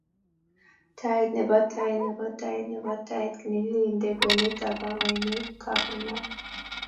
Tait nebo tait nebo tait nebo tait, nikikinde kwenut ab bakoinik, kokanam.